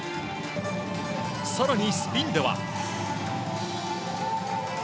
更にスピンでは。